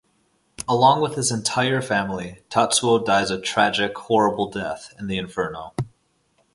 Along with his entire "family", Tatsuo dies a tragic, horrible death in the inferno.